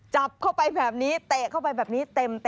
จับเข้าไปแบบนี้เตะเข้าไปแบบนี้เต็ม